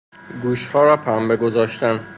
گوشها را پنبه گذاشتن